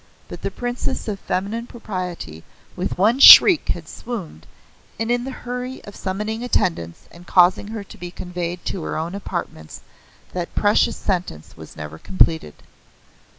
But the Princess of Feminine Propriety with one shriek had swooned and in the hurry of summoning attendants and causing her to be conveyed to her own apartments that precious sentence was never completed.